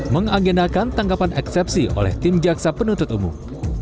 mengagendakan tanggapan eksepsi oleh tim jaksa penuntut umum